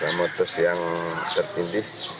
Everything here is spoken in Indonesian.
selamat itu siang terpintih